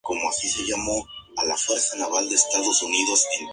Con la primera esposa tuvo dos hijos, Teodoro Picado Lara y Clemencia Picado Lara.